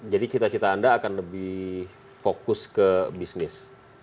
jadi cita cita anda akan lebih fokus ke bisnis